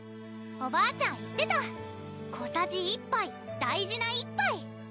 おばあちゃん言ってた「小さじ一杯大事な一杯」